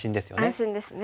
安心ですね。